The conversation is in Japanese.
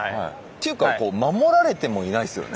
というか守られてもいないですよね。